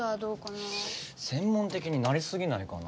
専門的になりすぎないかな？